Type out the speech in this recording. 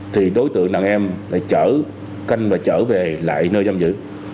thì đối tượng nạn em lại trở canh và trở về lại nơi giam giữ